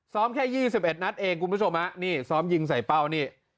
แค่๒๑นัดเองคุณผู้ชมฮะนี่ซ้อมยิงใส่เป้านี่